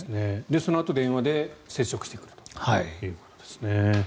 そのあと電話で接触してくるということですね。